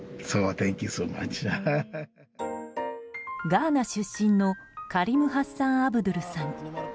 ガーナ出身のカリム・ハッサン・アブドゥルさん。